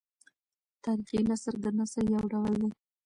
تاریخي نثر د نثر یو ډول دﺉ.